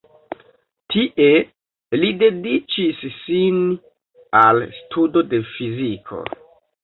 Tie li dediĉis sin al studo de fiziko.